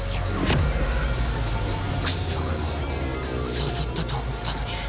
クソッ誘ったと思ったのに。